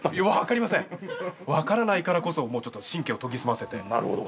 分からないからこそちょっと神経を研ぎ澄ませて。